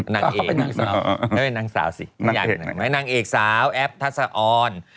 นางเอกนางสาวไม่เป็นนางสาวสินางเอกสาวแอปทัศน์อ่อน